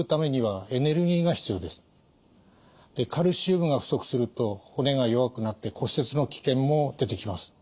カルシウムが不足すると骨が弱くなって骨折の危険も出てきます。